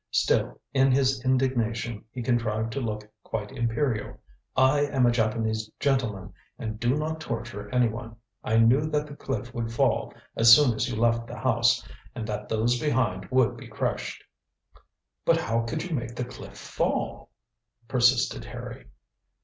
Still in his indignation he contrived to look quite imperial. "I am a Japanese gentleman and do not torture anyone. I knew that the cliff would fall as soon as you left the house, and that those behind would be crushed." "But how could you make the cliff fall?" persisted Harry.